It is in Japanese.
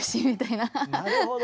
なるほど。